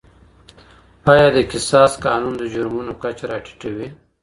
ایا د قصاص قانون د جرمونو کچه راټیټوي؟